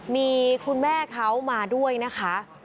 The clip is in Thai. มีคุณแม่เขามาด้วยนะคะ